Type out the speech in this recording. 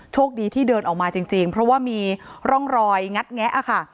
โชคดีที่เดินออกมาจริงเพราะว่ามีร่องรอยงัดแงะค่ะ